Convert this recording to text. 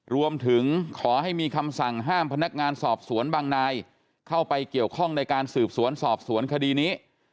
รวมถึงขอให้มีคำสั่งห้ามพนักงานสอบสวนบางนายเข้าไปเกี่ยวข้องในการสืบสวนสอบสวนคดีนี้